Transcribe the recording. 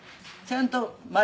ちゃんと丸。